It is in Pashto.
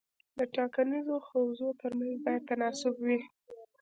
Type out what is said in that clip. د ټاکنیزو حوزو ترمنځ باید تناسب وي.